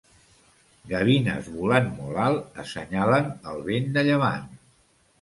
Gavines volant molt alt assenyalen el vent de llevant.